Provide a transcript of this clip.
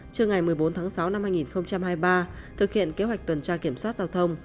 trưa ngày một mươi bốn tháng sáu năm hai nghìn hai mươi ba thực hiện kế hoạch tuần tra kiểm soát giao thông